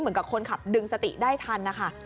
เหมือนกับคนขับดึงสติได้ทันนะคะ